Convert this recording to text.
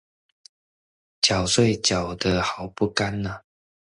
繳稅繳得好不甘願啊